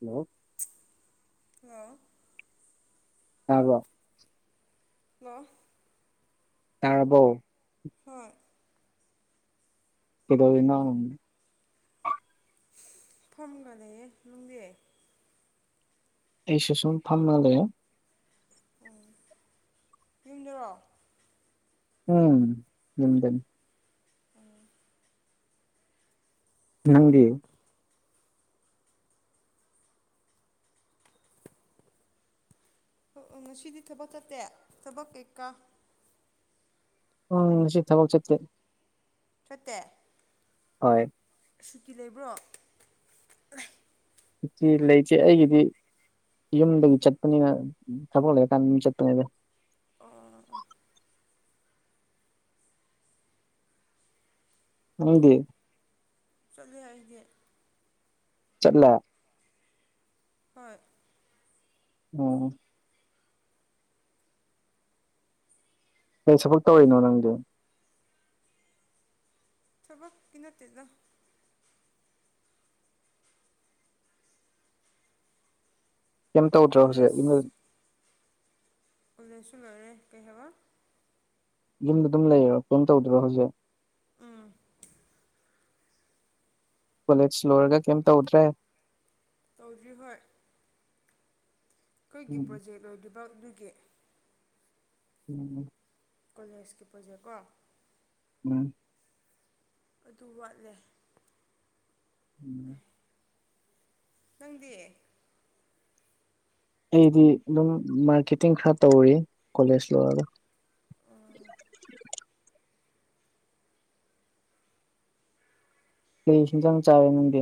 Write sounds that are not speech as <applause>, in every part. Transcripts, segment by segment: Hello hello ꯑꯕꯣ ꯑꯣ ꯇꯥꯕꯣ ꯍꯣꯏ ꯀꯗ ꯏꯅꯥ ꯐꯝꯒꯅꯦꯌꯦ ꯂꯅꯨꯡꯗꯤꯦ ꯑꯩ ꯁꯦꯁꯟ ꯐꯥꯔꯝꯅꯥ ꯂꯩꯦ ꯎꯝ ꯌꯦꯡꯗꯔꯣ ꯎꯝ ꯝꯗꯅꯤ ꯅꯪꯒꯤ ꯉꯁꯤꯗꯤ ꯊꯕꯛ ꯆꯠꯇꯦ ꯊꯕꯛ ꯀꯩꯀꯥ ꯎꯝ ꯃꯁꯤꯁꯤꯠ ꯊꯕꯣꯛ ꯆꯠꯠꯇꯦ ꯁꯠꯇꯦ ꯍꯣꯏ ꯁꯨꯀꯤ ꯂꯩꯕ꯭ꯔꯣ ꯍꯧꯛꯇꯤ ꯂꯩꯇꯦ ꯑꯩꯒꯤꯗꯤ ꯌꯨꯝꯗꯒꯤ ꯆꯠꯄꯅꯤꯅ ꯊꯕꯛ ꯂꯩꯔꯀꯥꯟꯗ ꯑꯗꯨꯝ ꯆꯠꯄꯅꯦꯗ ꯑꯣ ꯎꯪꯗꯤ ꯆꯠꯂꯦ ꯍꯥꯏꯗꯤꯦ ꯆꯠꯂ ꯍꯣꯏ ꯑꯣꯝ ꯀꯩ ꯁꯕꯛ ꯇꯧꯔꯤꯅꯣ ꯅꯪꯗꯤ ꯊꯕꯛꯀꯤ ꯅꯠꯇꯦꯗ ꯀꯩꯝ ꯇꯧꯗ꯭ꯔꯣ ꯍꯧꯖꯤꯛ ꯀꯣꯂꯦꯖ ꯑꯗꯨꯂꯁꯨ ꯂꯣꯏꯔꯦ ꯀꯩ ꯍꯥꯏꯕ ꯌꯨꯝꯗ ꯑꯗꯨꯝ ꯂꯩꯔꯣ ꯀꯩꯝ ꯇꯧꯗꯣꯏꯣ ꯍꯧꯖꯤꯛ ꯎꯝ ꯀꯣꯂꯦꯖ ꯂꯣꯏꯔꯒ ꯀꯩꯝ ꯇꯧꯗ꯭ꯔꯦ ꯇꯧꯗ꯭ꯔꯤ ꯍꯣꯏ ꯑꯩꯈꯣꯏꯒꯤ ꯎꯝ ꯄ꯭ꯔꯣꯖꯦꯛ ꯂꯣꯏꯔꯤꯕ ꯑꯗꯨꯒꯤ ꯎꯝ ꯀꯣꯂꯦꯖꯀꯤ ꯄ꯭ꯔꯣꯖꯦꯛ ꯀꯣ ꯎꯝ ꯑꯗꯨ ꯋꯥꯠꯂꯦ ꯎꯝ ꯅꯪꯗꯤ ꯑꯩꯗꯤ ꯑꯗꯨꯝ ꯃꯥꯔꯀꯦꯇꯤꯡ ꯈꯔ ꯇꯧꯔꯤ ꯀꯣꯂꯦꯖ ꯂꯣꯏꯔꯒ ꯀꯔꯤꯁꯤꯟꯁꯨ ꯌꯥꯝ ꯆꯥꯔꯦ ꯅꯪꯗꯦ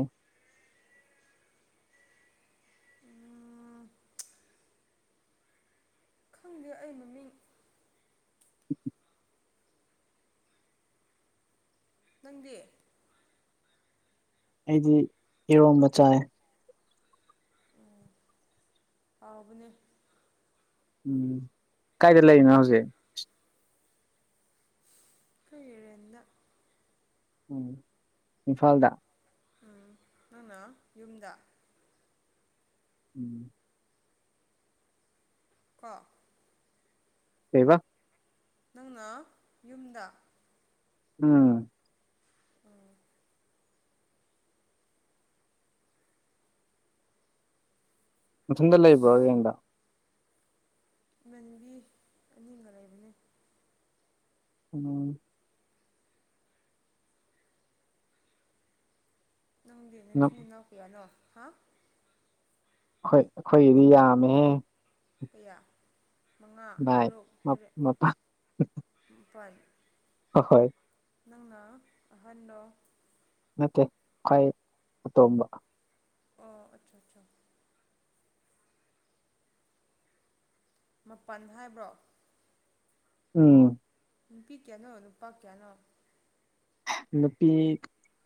ꯑꯗꯨ ꯑꯩ ꯃꯃꯤꯡ ꯅꯪꯗꯤ ꯑꯩꯗꯤ ꯏꯔꯣꯕ ꯆꯥꯏ ꯍꯥꯎꯕꯅꯦ ꯎꯝ ꯀꯥꯏꯗ ꯂꯩꯔꯤꯅꯣ ꯍꯧꯖꯤꯛ ꯀꯔꯗ ꯎꯝ ꯏꯝꯐꯥꯜꯗ ꯎꯝ ꯅꯪꯅ ꯌꯨꯝꯗ ꯎꯝ ꯀ ꯂꯩꯕ ꯅꯪꯅ ꯌꯨꯝꯗ ꯎꯝ ꯎꯝ ꯃꯊꯟꯗ ꯂꯩꯕ꯭ꯔꯣ ꯑꯁ ꯌꯦꯡꯗ ꯏꯃꯅꯤꯡꯒꯤ ꯑꯅꯤꯡꯒ ꯂꯩꯕꯅꯦ ꯎꯝ ꯅꯪꯗꯤ ꯅꯁꯨꯅꯤꯅꯥꯎ ꯀꯌꯥꯅꯣ ꯍꯥ ꯑꯩꯈꯣꯏ ꯑꯩꯈꯣꯏꯒꯤꯗꯤ ꯌꯥꯝꯃꯦꯍ ꯀꯌꯥ ꯃꯉꯥ ꯚꯥꯏ ꯇꯔꯨꯛ ꯇꯔꯦꯠ ꯃꯄꯥ ꯃꯥꯄꯜ ꯑ ꯍꯣꯏ ꯅꯪꯅ ꯑꯍꯥꯟꯕꯗ ꯅꯠꯇꯦ ꯈꯥꯏ ꯑꯇꯣꯝꯕ ꯑꯣ ꯑꯆꯥ ꯑꯆꯥ ꯃꯄꯜ ꯍꯥꯏꯕ꯭ꯔꯣ ꯎꯝ ꯅꯨꯄꯤ ꯀꯌꯥꯅꯣ ꯅꯨꯄꯥ ꯀꯌꯥꯅꯣ ꯅꯨꯄꯤ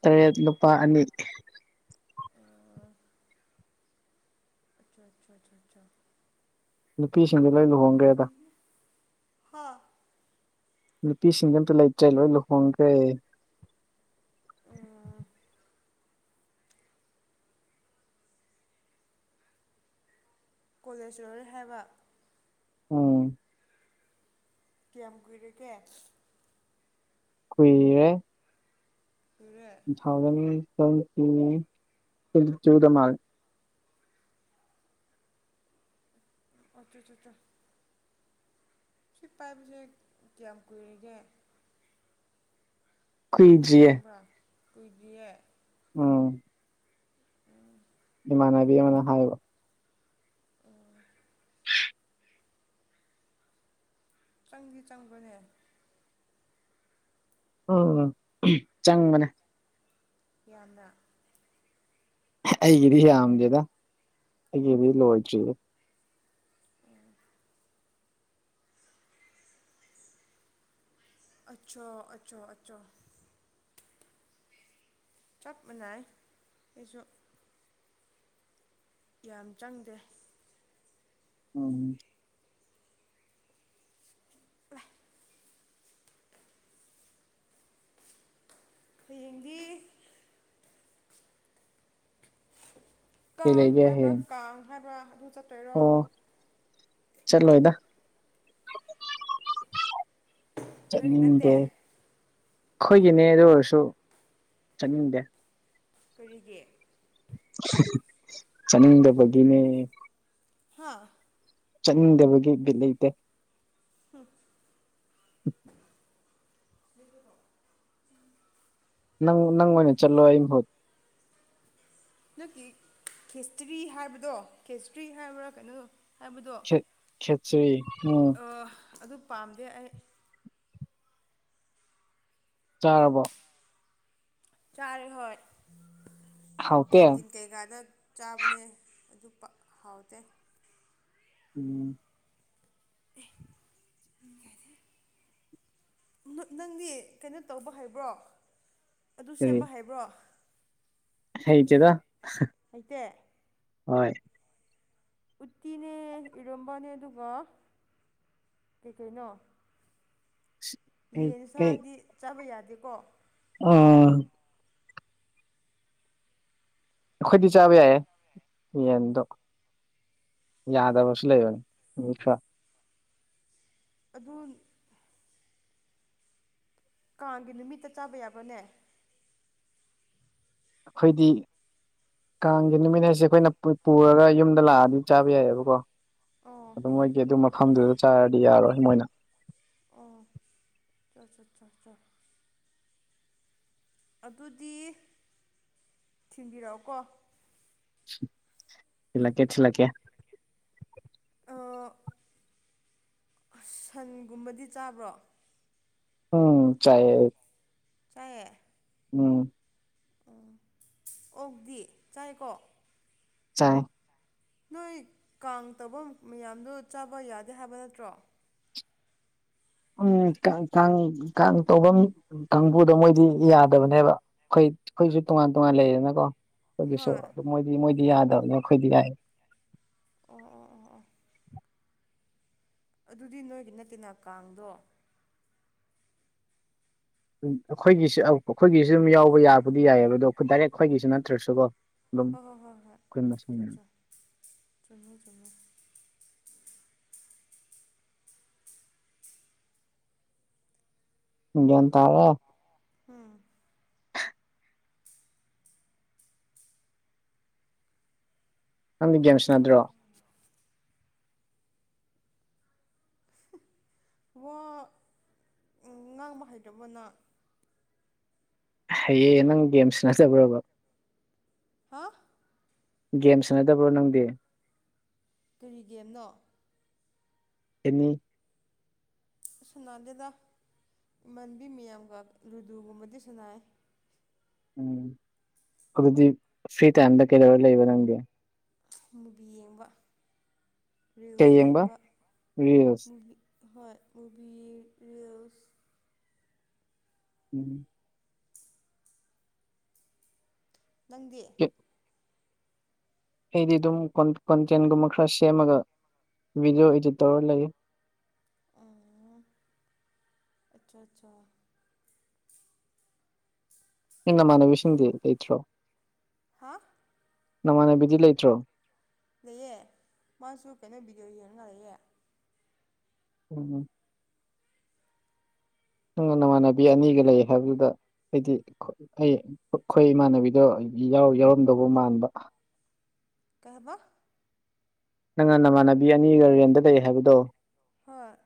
ꯇꯔꯦꯠ ꯅꯨꯨꯄꯥ ꯑꯅꯤ ꯎ ꯑꯆꯥ ꯑꯆꯥꯆꯥꯆꯥ ꯅꯨꯄꯤꯁꯤꯡꯗꯤ ꯂꯣꯏ ꯂꯨꯍꯣꯡꯒꯦꯗ ꯍ ꯅꯨꯄꯤꯁꯤꯡꯗꯦ ꯑꯝꯇ ꯂꯩꯇ꯭ꯔꯦ ꯂꯣꯏ ꯂꯨꯍꯣꯡꯈ꯭ꯔꯦ ꯑꯥ ꯀꯣꯂꯦꯁꯔ ꯍꯥꯏꯕ ꯑꯣꯝ ꯀꯌꯥꯝ ꯀꯨꯏꯔꯒꯦ ꯀꯨꯏꯔꯦ ꯍꯦ ꯇ ꯊꯥꯎꯖꯟ ꯁꯦꯟꯇ ꯆꯨꯗ ꯃꯥꯜ ꯑꯣ ꯆ ꯆ ꯆ ꯁꯤ ꯄꯥꯏꯕꯁꯦ ꯀꯌꯥꯝ ꯀꯨꯏꯔꯤꯒꯦ ꯀꯃꯥꯏꯅ ꯀꯨꯏꯗ꯭ꯔꯤꯌꯦ ꯈꯪꯕ꯭ꯔꯥ ꯀꯨꯏꯗ꯭ꯌꯦ ꯑꯣ ꯃꯥꯟꯕꯤ ꯃꯅ ꯍꯥꯏꯕ ꯑꯣ ꯆꯪꯗꯤ ꯆꯪꯕꯅꯦ ꯑꯣ ꯆꯪꯕꯅꯦ ꯌꯥꯝꯅ ꯑꯩꯒꯤꯗꯤ ꯌꯥꯝꯗꯦꯗ ꯑꯩꯒꯤꯗꯤ ꯂꯣꯏꯗ꯭ꯔꯤꯗ ꯑꯆꯥ ꯑꯆꯥ ꯑꯆꯥꯆꯥ ꯆꯞ ꯃꯥꯟꯅꯥꯏ ꯑꯩꯁꯨ ꯌꯥꯝ ꯆꯪꯗꯦ ꯎꯝ ꯍꯌꯦꯡꯗꯤ ꯀꯩ ꯀꯥꯡ ꯂꯩꯒꯦ ꯍꯥꯏꯕ꯭ꯔꯥ ꯍꯌꯦꯡ ꯀꯥꯡ ꯍꯥꯏꯕ꯭ꯔꯥ ꯑꯗꯨ ꯆꯠꯇꯣꯏꯔꯣ ꯆꯠ ꯂꯣꯏꯗ ꯅꯣꯏꯒꯤ ꯅꯠꯇꯦ ꯆꯠꯅꯤꯡꯗꯦ ꯑꯩꯈꯣꯏꯒꯤꯅꯦ ꯑꯗꯨ ꯑꯣꯏꯔꯁꯨ ꯆꯠꯅꯤꯡꯗꯦ ꯀꯔꯤꯒꯤꯦ ꯆꯉꯗ ꯒꯅꯦ ꯍꯥꯥ ꯆꯠꯅꯤꯡꯗꯕꯒꯤ ꯕꯤ ꯂꯩꯇꯦ ꯍꯝ ꯎꯝ ꯁꯤ꯭ꯅꯤꯒꯔꯥꯎ ꯅꯪ ꯅꯪꯣꯅꯦ ꯆꯂꯣ ꯑꯩ ꯃꯍꯠ ꯅꯪꯛꯀꯤ ꯈꯦꯁꯇ꯭ꯔꯤ ꯍꯥꯏꯕꯗꯣ ꯈꯦꯁꯇ꯭ꯔꯤ ꯍꯥꯏꯕ꯭ꯔꯥ ꯀꯩꯅꯣ ꯍꯥꯏꯕꯗꯣ ꯦ ꯈꯦꯠ꯭ꯔꯤ ꯎ ꯑꯗꯨ ꯄꯥꯝꯗꯦ ꯑꯩ ꯆꯥꯔꯕꯣ ꯆꯥꯔꯦ ꯍꯣꯏ ꯍꯥꯎꯇꯦ ꯀꯦꯟꯇꯤꯟ ꯀꯩꯀꯥꯅ ꯆꯥꯕꯅꯦ ꯑꯗꯨ ꯄꯥꯛ ꯍꯥꯎꯇꯦ ꯎꯝ <unintelligible> ꯅꯪꯒꯤ ꯀꯩꯅꯣ ꯇꯧꯕ ꯍꯥꯏꯕ꯭ꯔꯣ ꯑꯗꯨ ꯀꯔꯤ ꯁꯦꯝꯕ ꯍꯥꯏꯕ꯭ꯔꯣ ꯍꯩꯇꯦꯗ ꯍꯩꯇꯦ ꯍꯣꯏ ꯎꯠꯇꯤꯅꯦ ꯏꯔꯝꯕꯅꯦ ꯑꯗꯨꯒ ꯀꯩ ꯀꯩꯅꯣ ꯀꯩ ꯌꯦꯟ ꯁꯥꯔꯗꯤ ꯆꯥꯕ ꯌꯥꯗꯦꯀꯣ ꯑꯣ ꯑꯩꯈꯣꯏꯗꯤ ꯆꯥꯕ ꯌꯥꯏꯌꯦ ꯌꯦꯟꯗꯣ ꯌꯥꯗꯕꯁꯨ ꯂꯩꯕꯅꯦ ꯑꯗꯨ ꯀꯒꯤ ꯅꯨꯃꯤꯠꯇ ꯆꯥꯕ ꯌꯥꯕꯅꯦ ꯑꯩꯈꯣꯏꯗꯤ ꯀꯥꯡꯒꯤ ꯅꯨꯃꯤꯠ ꯍꯥꯏꯁꯦ ꯑꯩꯈꯣꯏꯅ ꯄꯨꯔꯒ ꯌꯨꯝꯗ ꯂꯥꯛꯑꯗꯤ ꯆꯥꯕ ꯌꯥꯏꯑꯕꯀꯣ ꯑꯣ ꯑꯗꯨ ꯃꯣꯏꯗꯤ ꯑꯗꯨ ꯃꯐꯝꯗꯨꯗ ꯆꯥꯔꯗꯤ ꯌꯥꯔꯣꯏ ꯃꯣꯏꯅ ꯑꯣ ꯆꯥ ꯆꯥ ꯑꯗꯨꯗꯤ ꯊꯤꯟꯕꯤꯔꯛꯑꯣꯀꯣ ꯊꯤꯜꯂꯛꯀꯦ ꯊꯤꯜꯂꯛꯀꯦ ꯑꯥ ꯁꯟꯒꯨꯝꯕꯗꯤ ꯆꯥꯕ꯭ꯔꯣ ꯎꯝ ꯆꯥꯏꯌꯦ ꯆꯥꯏꯌꯦ ꯎꯝ ꯎꯥ ꯑꯣꯗꯤ ꯆꯥꯏꯀꯣ ꯆꯥꯏ ꯅꯣꯏ ꯀꯥꯡ ꯇꯧꯕ ꯃꯌꯥꯝꯗꯨ ꯆꯥꯕ ꯌꯥꯗꯦ ꯍꯥꯏꯕ ꯅꯠꯇ꯭ꯔꯣ ꯎꯝ ꯀꯥꯡ ꯀꯥꯡ ꯇꯧꯐꯝ ꯀꯥꯡꯕꯨꯗ ꯃꯣꯏꯗꯤ ꯌꯥꯗꯕꯅꯦꯕ ꯑꯩꯈꯣꯏ ꯑꯩꯈꯣꯏꯁꯨ ꯇꯣꯉꯥꯟ ꯇꯣꯉꯥꯟ ꯂꯩꯔꯦꯅꯀꯣ ꯑꯩꯈꯣꯏꯒꯤꯁꯨ ꯍꯣꯏ ꯑꯗꯨ ꯃꯣꯏꯗꯤ ꯃꯣꯏꯗꯤ ꯌꯥꯗꯕꯅꯤ ꯑꯩꯈꯣꯏꯗꯤ ꯌꯥꯏ ꯑꯣ ꯑꯣ ꯑꯣ ꯑꯣ ꯑꯗꯨꯗꯤ ꯅꯣꯏꯒꯤ ꯅꯠꯇꯦꯅ ꯀꯥꯡꯗꯣ ꯑꯩꯈꯣꯏꯒꯤꯁꯨ ꯑꯩꯈꯣꯏꯒꯤꯁꯨ ꯑꯗꯨ ꯌꯥꯎ ꯑꯩꯈꯣꯏ ꯌꯥꯕꯨꯗꯤ ꯌꯥꯏꯑꯕ ꯑꯗꯣ ꯑꯩꯈꯣꯏ ꯗꯥꯏꯔꯦꯛ ꯑꯩꯈꯣꯏꯒꯤꯁꯨ ꯅꯠꯇ꯭ꯔꯁꯨꯀꯣ ꯑꯗꯨꯝ ꯍꯣꯏ ꯍꯣꯏ ꯍꯣꯏ ꯍꯣꯏ ꯑꯩꯈꯣꯏ ꯃꯁꯤꯡ ꯆꯠꯆꯥ ꯆꯨꯝꯃꯦ ꯆꯨꯝꯃꯦ ꯒꯌ꯭ꯥꯟ ꯇꯥꯑꯣꯌꯣ <unintelligible> ꯅꯪꯗꯤ ꯒꯦꯝ ꯁꯅꯗꯔꯣ ꯌꯣꯉꯥꯡꯕ ꯍꯩꯇꯕꯅ ꯍꯩꯌꯦ ꯅꯪ ꯒꯦꯝ ꯁꯥꯅꯗꯔ꯭ꯕꯔ꯭ꯕ ꯍꯥꯥ ꯒꯦꯝ ꯁꯥꯟꯅꯗꯕ꯭ꯔꯣ ꯅꯪꯗꯤ ꯀꯔꯤ ꯒꯦꯝꯅꯣ ꯑꯦꯅꯤ ꯁꯨꯅꯥꯗꯦꯗ ꯏꯃꯥꯟꯕꯤ ꯃꯌꯥꯝꯒ ꯂꯨꯗꯨꯒꯨꯝꯕꯗꯤ ꯁꯨꯅꯩ ꯎꯝ ꯑꯗꯨꯗꯤ ꯐ꯭ꯔꯤ ꯇꯥꯏꯝꯗ ꯀꯩꯗꯧꯔ ꯂꯩꯕ ꯅꯪꯒꯤ ꯃꯨꯚꯤ ꯌꯦꯡꯕ ꯔꯤꯜꯁ ꯌꯦꯡꯕ ꯔꯤꯜꯁ ꯃꯨꯚꯤ ꯍꯣꯏ ꯃꯚꯤ ꯔꯤꯌꯁ ꯎꯝ ꯅꯪꯗꯤ ꯆꯠ ꯑꯩꯗꯤ ꯑꯗꯨꯝ ꯀꯣꯟꯇꯦꯟꯒꯨꯝꯕ ꯈꯔ ꯁꯦꯝꯃꯒ ꯚꯤꯗꯤꯑꯣ ꯏꯗꯤꯠ ꯇꯧꯔ ꯂꯩ ꯑꯣ ꯑꯆꯥ ꯑꯆꯥ ꯏꯟꯅ ꯃꯥꯅꯦꯕꯤꯁꯤꯡꯟꯗꯤ ꯂꯩꯇ꯭ꯔꯣ ꯍꯥꯥ ꯅꯃꯥꯟꯅꯕꯤꯗꯤ ꯂꯩꯇ꯭ꯔꯣ ꯂꯩꯌꯦ ꯃꯥꯁꯨ ꯀꯩꯅꯣ ꯕꯤꯗꯤꯑꯣ ꯌꯦꯡꯉ ꯂꯩꯛꯌꯦ ꯎꯝ ꯎꯝ ꯅꯪꯅ ꯅꯃꯥꯟꯅꯕꯤ ꯑꯅꯤꯒ ꯂꯩ ꯍꯥꯏꯕꯗꯨꯗ ꯍꯥꯏꯗꯤ ꯑꯩ ꯑꯩꯈꯣꯏ ꯏꯃꯥꯟꯅꯕꯤꯗꯣ ꯌꯥꯎ ꯌꯥꯎꯔꯝꯗꯧꯕ ꯃꯥꯟꯕ ꯀꯩꯍꯥꯏꯕꯥ ꯅꯪꯅ ꯅꯃꯥꯟꯅꯕꯤ ꯑꯅꯤꯒ ꯔꯦꯟꯗ ꯂꯩ ꯍꯥꯏꯕꯗꯣ ꯍꯣꯏ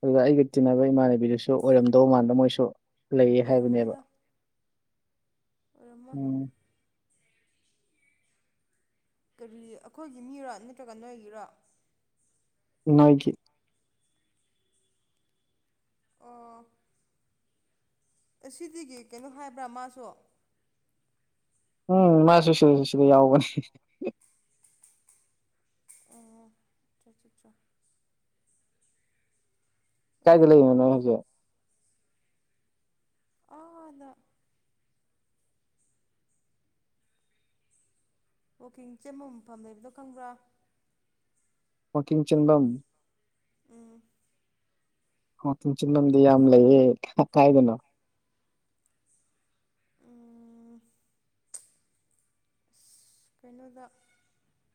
ꯑꯗꯨꯒ ꯑꯩꯒ ꯇꯤꯟꯅꯕ ꯏꯃꯥꯟꯅꯕꯤꯗꯨꯁꯨ ꯑꯣꯏꯔꯝꯗꯧ ꯃꯥꯟꯗ ꯃꯣꯏꯁꯨ ꯂꯩ ꯍꯥꯏꯕꯅꯦꯕ ꯑꯣꯏꯔꯝꯃꯣꯏꯗ ꯑꯣꯏꯔꯝꯃꯣꯏ ꯎꯝ ꯀꯔꯤ ꯑꯩꯈꯣꯏꯒꯤ ꯃꯤꯔ ꯅꯠꯇ꯭ꯔꯒ ꯅꯣꯏꯒꯤꯔ ꯅꯣꯏꯒꯤ꯫ ꯑꯣ ꯑꯁꯤꯗꯒꯤ ꯀꯩꯅꯣ ꯍꯥꯏꯕ꯭ꯔꯥ ꯃꯥꯁꯨ ꯎꯝ ꯃꯥ ꯁꯨꯁꯤꯗ ꯁꯨꯁꯤꯗ ꯌꯥꯎꯒꯅꯤ ꯑꯣ ꯆ ꯀꯥꯏꯗ ꯑꯣꯏꯔꯝꯃꯣꯏ ꯂꯩꯒꯅꯣꯏ ꯍꯧꯁꯦ ꯑꯅ ꯋꯀꯤꯡ ꯆꯦꯃ ꯃꯐꯝ ꯂꯩꯕꯗꯣ ꯈꯪꯕ꯭ꯔꯥ ꯃ ꯀꯡ ꯆꯤꯟꯕꯝ ꯑꯥ ꯃ ꯆꯅꯗꯤ ꯌꯥꯝꯝꯂꯒꯤ ꯀꯥꯏꯗꯅꯣ ꯎꯝ ꯑꯁ ꯀꯩꯅꯣꯗ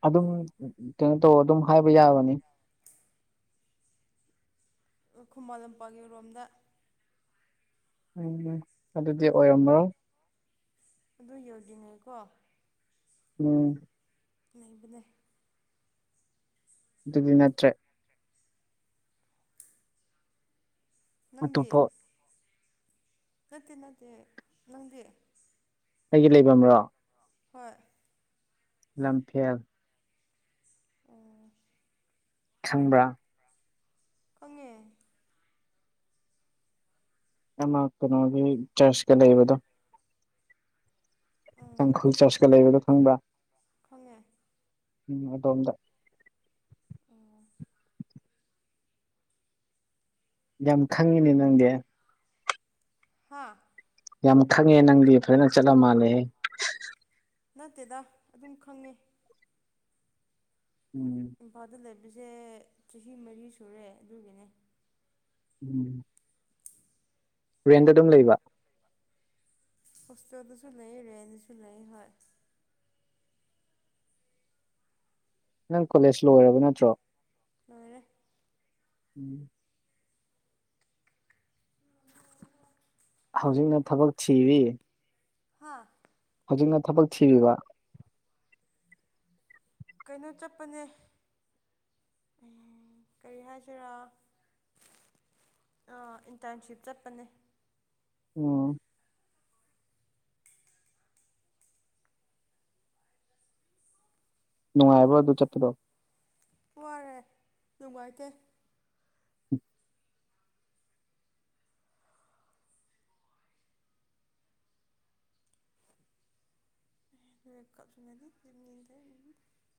ꯑꯗꯨꯝ ꯀꯩꯅꯣ ꯇꯧ ꯑꯗꯨꯝ ꯍꯥꯏꯕ ꯌꯥꯕꯅꯤ <unintelligible> ꯈꯨꯃꯟ ꯂꯝꯄꯥꯛꯒꯤꯔꯣꯝꯗ ꯎꯝ ꯑꯗꯨꯗꯤ ꯑꯣꯏꯔꯝꯃ꯭ꯔꯣ ꯑꯗꯨ ꯌꯧꯗ꯭ꯉꯩꯀꯣ ꯑꯣꯝ ꯂꯩꯕꯅꯦ ꯑꯗꯨꯗꯤ ꯅꯠꯇ꯭ꯔꯦ ꯅꯪꯗꯤ ꯑꯇꯣꯞꯄ ꯅꯠꯇꯦ ꯅꯠꯇꯦ ꯅꯪꯗꯤ ꯑꯩꯒꯤ ꯂꯩꯕꯝ꯭ꯔꯣ ꯍꯣꯏ ꯂꯝꯐꯦꯜ ꯑꯣ ꯈꯪꯕ꯭ꯔꯥ ꯈꯪꯉꯦ ꯑꯃ ꯀꯩꯅꯣꯒꯤ ꯆꯔꯁꯀ ꯂꯩꯕꯗꯣ ꯎꯝ ꯇꯥꯡꯈꯨꯜ ꯆꯥꯆꯀ ꯂꯩꯕꯗꯣ ꯈꯪꯕꯥ ꯈꯪꯉꯦ ꯎꯝ ꯑꯗꯣꯝꯗ ꯑꯣ ꯌꯥꯝ ꯈꯪꯉꯤꯅꯦ ꯅꯪꯗꯤ ꯍꯥꯥ ꯌꯥꯝ ꯈꯪꯉꯦ ꯅꯪꯗꯤ ꯐꯖꯅ ꯆꯠꯂ ꯃꯥꯜꯂꯦꯍꯦ ꯅꯠꯇꯦꯗ ꯑꯗꯨꯝ ꯈꯪꯉꯦ ꯎꯝ ꯏꯝꯐꯥꯜꯗ ꯂꯩꯕꯁꯦ ꯆꯍꯤ ꯃꯔꯤ ꯁꯨꯔꯦ ꯑꯗꯨꯒꯤꯅꯦ ꯎꯝ <unintelligible> ꯔꯦꯟꯗ ꯑꯗꯨꯝ ꯂꯩꯕ ꯍꯣꯁꯇꯣꯗꯨꯁꯨ ꯂꯩ ꯔꯦꯟꯅꯤꯁꯨ ꯂꯩ ꯍꯣꯏ ꯅꯪ ꯀꯣꯂꯦꯖ ꯂꯣꯏꯔꯕ ꯅꯠꯇ꯭ꯔꯣ ꯃꯥꯔ ꯎꯝ ꯍꯧꯖꯤꯛꯅ ꯊꯕꯛ ꯊꯤꯔꯤ ꯍꯥꯥ꯫ ꯍꯧꯖꯤꯛꯅ ꯊꯕꯛ ꯊꯤꯔꯤꯕ ꯀꯩꯅꯣ ꯆꯠꯄꯅꯦ ꯀꯔꯤ ꯍꯥꯏꯁꯤꯔꯥ ꯏꯟꯇꯔꯟꯁꯤꯞ ꯆꯠꯄꯅꯦ ꯑꯣ ꯅꯨꯡꯉꯥꯏꯕ ꯑꯗꯨ ꯆꯠꯄꯗꯣ ꯋꯥꯔꯦ ꯅꯨꯡꯉꯥꯏꯇꯦ ꯎ ꯀꯥꯞ꯫ <unintelligible>